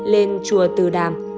lên chùa từ đàm